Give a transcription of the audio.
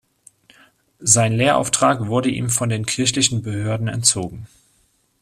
Sein Lehrauftrag wurde ihm von den kirchlichen Behörden entzogen.